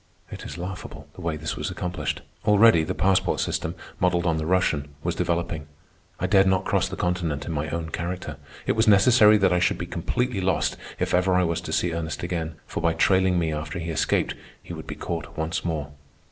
It is laughable, the way this was accomplished. Already the passport system, modelled on the Russian, was developing. I dared not cross the continent in my own character. It was necessary that I should be completely lost if ever I was to see Ernest again, for by trailing me after he escaped, he would be caught once more.